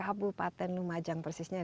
ya berapa jumlah pabriknya